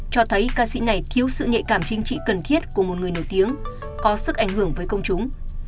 cho thấy ca sĩ này thiếu sự nhạy cảm chính trị cần thiết của một người nổi tiếng có sức ảnh hưởng với công chúng